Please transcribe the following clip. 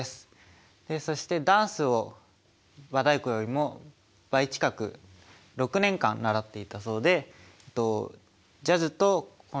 そしてダンスを和太鼓よりも倍近く６年間習っていたそうでジャズとコンテンポラリー